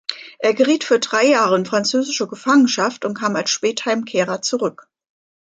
Er geriet für drei Jahre in französische Gefangenschaft und kam als Spätheimkehrer zurück.